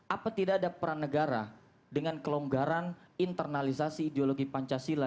apa tidak ada peran negara dengan kelonggaran internalisasi ideologi pancasila